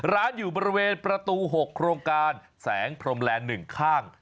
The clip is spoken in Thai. ร้านอยู่บริเวณประตู๖โครงการแสงพรมแลนด์๑ข้าง